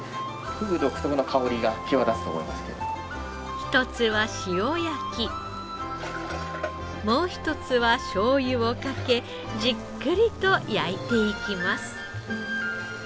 一つは塩焼きもう一つはしょうゆをかけじっくりと焼いていきます。